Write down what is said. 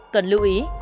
cần lưu ý